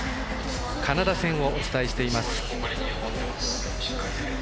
カナダ戦をお伝えしています。